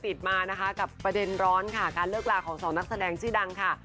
ติดมานะคะกับประเด็นร้อนค่ะการเลิกลาของสองนักแสดงชื่อดังค่ะ